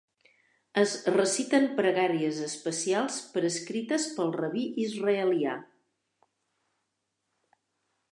Es reciten pregàries especials prescrites pel rabí israelià.